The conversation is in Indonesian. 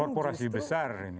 korporasi besar ini